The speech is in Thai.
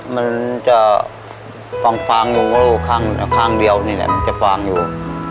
มันจะฟางอยู่ข้างเดียวนี่แหละมันจะฟางอยู่